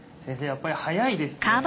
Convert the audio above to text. やっぱり速いですね。